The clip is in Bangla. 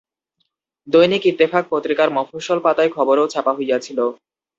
দৈনিক ইত্তেফাক পত্রিকার মফস্বল পাতায় খবরও ছাপা হইয়াছিল।